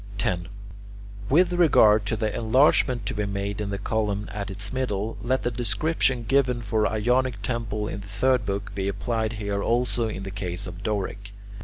10. With regard to the enlargement to be made in the column at its middle, let the description given for Ionic columns in the third book be applied here also in the case of Doric.